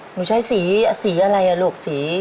หนูใช้สีสีอะไรอ่ะลูกสี